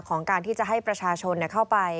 การที่จะให้ประชาชนเข้าไป